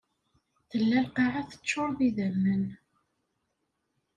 Tella lqaɛa teččuṛ d idammen.